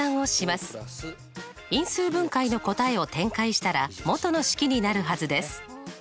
因数分解の答えを展開したら元の式になるはずです。